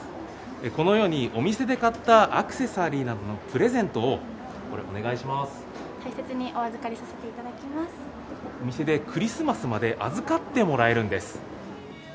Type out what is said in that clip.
このように、お店で買ったアクセサリーなどのプレゼントを、これ、お願いしま大切にお預かりさせていただお店でクリスマスまで預かってもらえるんです。